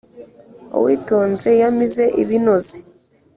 Uwitonze yamize ibinoze